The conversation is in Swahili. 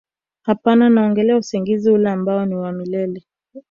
hapana naongelea usingizi ule ambao ni wa milele